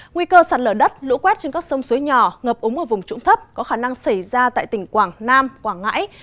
nguy cơ sạt lở đất lũ quét trên các sông suối nhỏ ngập úng ở vùng trũng thấp có khả năng xảy ra tại tỉnh quảng nam quảng ngãi